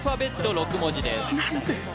６文字です